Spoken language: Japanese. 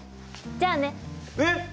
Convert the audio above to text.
じゃあね。えっ！